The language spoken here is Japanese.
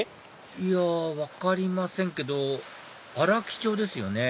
いや分かりませんけど荒木町ですよね